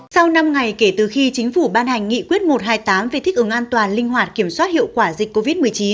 sau năm ngày kể từ khi chính phủ ban hành nghị quyết một trăm hai mươi tám về thích ứng an toàn linh hoạt kiểm soát hiệu quả dịch covid một mươi chín